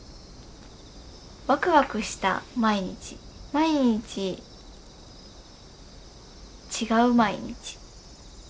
わくわくした毎日毎日違う毎日。